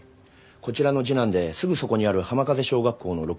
こちらの次男ですぐそこにあるはまかぜ小学校の６年生です。